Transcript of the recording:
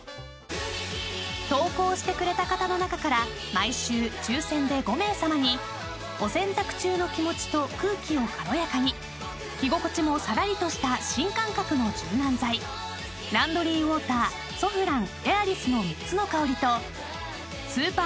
［投稿してくれた方の中から毎週抽選で５名さまにお洗濯中の気持ちと空気を軽やかに着心地もさらりとした新感覚の柔軟剤ランドリーウォーターソフランＡｉｒｉｓの３つの香りとスーパーＮＡＮＯＸ